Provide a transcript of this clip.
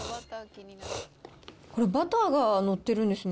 これ、バターが載ってるんですね。